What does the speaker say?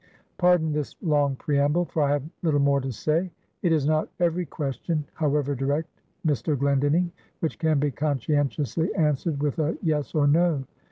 Pardon this long preamble, for I have little more to say. It is not every question, however direct, Mr. Glendinning, which can be conscientiously answered with a yes or no.